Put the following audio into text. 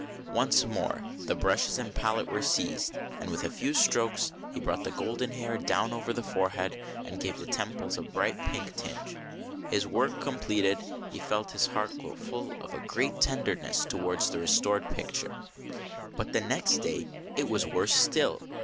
Once more the brushes and palette were seized, and with a few strokes he brought the golden hair down over the forehead and gave the temples a light pink tinge. His work completed, he felt his heart grow full of a great tenderness towards the re stored picture. But the next day it was worse still.